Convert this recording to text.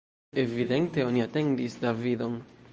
Evidente oni atendis Davidon.